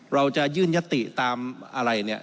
เราจะยื่นยติตามอะไรเนี่ย